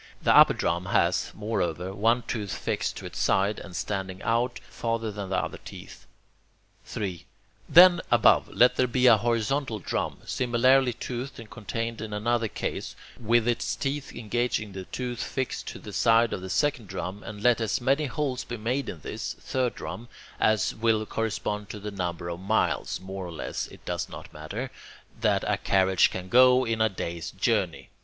The upper drum has, moreover, one tooth fixed to its side and standing out farther than the other teeth. 3. Then, above, let there be a horizontal drum, similarly toothed and contained in another case, with its teeth engaging the tooth fixed to the side of the second drum, and let as many holes be made in this (third) drum as will correspond to the number of miles more or less, it does not matter that a carriage can go in a day's journey.